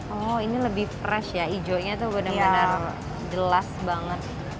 oh ini lebih fresh ya hijaunya tuh bener bener jelas banget